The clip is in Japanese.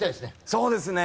そうですね。